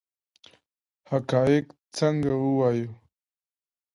حقایق څنګه ووایو؟